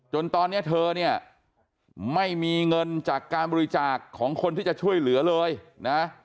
จนตอนนี้เธอเนี่ยไม่มีเงินจากการบริจาคของคนที่จะช่วยเหลือเลยนะ